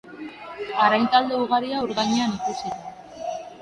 Arrain talde ugaria ur gainean ikusita.